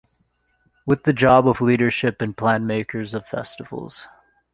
With the job of leadership and plan-makers of festivals.